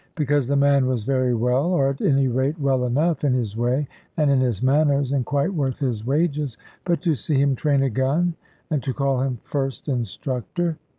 Because the man was very well, or at any rate well enough, in his way and in his manners, and quite worth his wages; but to see him train a gun, and to call him First Instructor!